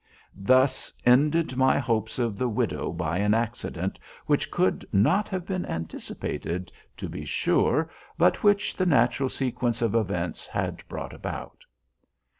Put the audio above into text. Thus ended my hopes of the widow by an accident which could not have been anticipated, to be sure, but which the natural sequence of events had brought about.